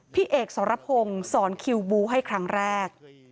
พี่เอกสรพงศ์สอนคิวบูให้ครั้งแรก